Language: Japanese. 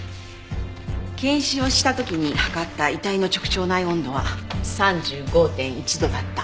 検視をした時に測った遺体の直腸内温度は３５．１度だった。